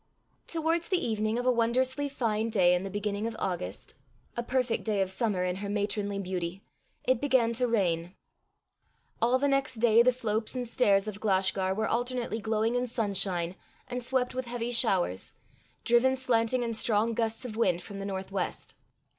Towards the evening of a wondrously fine day in the beginning of August a perfect day of summer in her matronly beauty, it began to rain. All the next day the slopes and stairs of Glashgar were alternately glowing in sunshine, and swept with heavy showers, driven slanting in strong gusts of wind from the northwest.